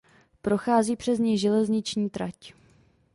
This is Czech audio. Prochází přes něj železniční trať.